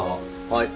はい。